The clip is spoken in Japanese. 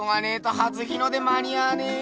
初日の出間に合わねえよ。